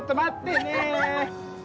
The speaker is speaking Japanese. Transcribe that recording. ねえ！